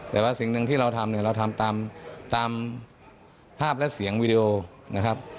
แต่ว่าสิ่งหนึ่งที่เราทำเนี่ยเราทำตามภาพและเสียงวีดีโอนะครับ